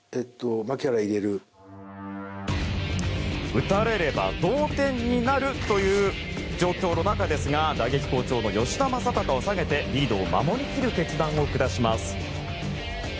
打たれれば同点になるという状況の中ですが打撃好調の吉田正尚を下げてリードを守り切る決断を下します。